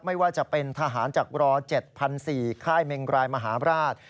ไม่ว่าจะเป็นทหารจากร๗๔๐๐ค่ายเมงรายมหาราช